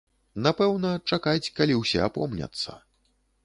Напэўна, чакаць, калі ўсе апомняцца.